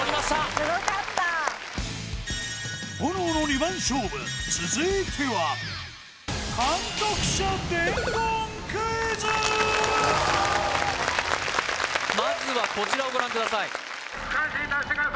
・すごかった炎の２番勝負続いてはまずはこちらをご覧ください